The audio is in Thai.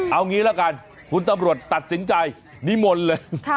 เอางี้ละกันคุณตำรวจตัดสินใจนิมนต์เลย